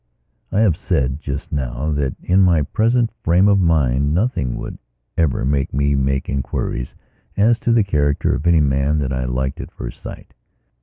I have said just now that, in my present frame of mind, nothing would ever make me make inquiries as to the character of any man that I liked at first sight.